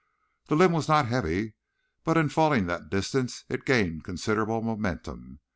The limb was not heavy, but in falling that distance it gained considerable momentum.